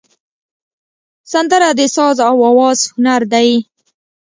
سندره د ساز او آواز هنر دی